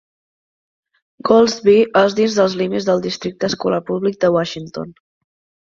Goldsby és dins dels límits del districte escolar públic de Washington.